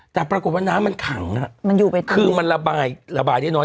แต่ปรากฏว่าน้ำมันขังอ่ะมันอยู่ไปตรงนี้คือมันระบายระบายได้น้อย